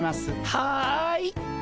はい。